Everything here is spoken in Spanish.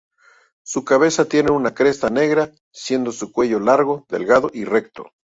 Su cabeza tiene una cresta negra, siendo su cuello largo, delgado y recto.